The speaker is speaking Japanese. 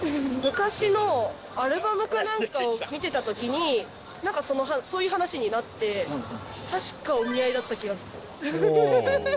昔のアルバムかなんかを見てたときに、なんかそういう話になって、確か、お見合いだった気がする。